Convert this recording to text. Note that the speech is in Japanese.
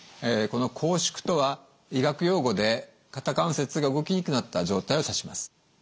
この拘縮とは医学用語で肩関節が動きにくくなった状態を指します。